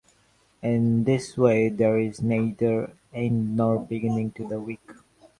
In this way there is neither end nor beginning to the week.